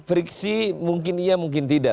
friksi mungkin iya mungkin tidak